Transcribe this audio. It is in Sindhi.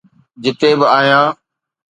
جتي به آهيان.